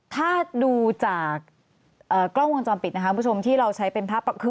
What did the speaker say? ถ้าดูจากกล้องวงจอมปิดนะคะผู้ชมที่เราใช้เป็นท่าปลอก